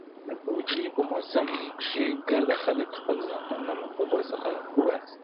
د پوجيو په موسم کښې ګرده خلك خپل زامن له مكتبو څخه اوباسي.